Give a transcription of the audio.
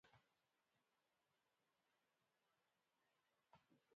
که ژبه ساده وي نو زده کړه اسانه ده.